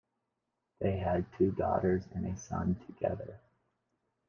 They had two daughters and a son together.